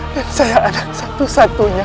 dan saya ada satu satunya